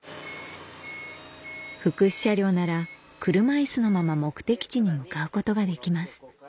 福祉車両なら車いすのまま目的地に向かうことができます